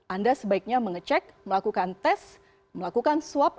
anda sebaiknya mengecek melakukan tes melakukan swab